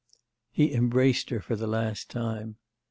He embraced her for the last time.